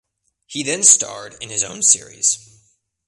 He then starred in his own series.